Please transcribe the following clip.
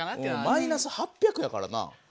マイナス８００やからな。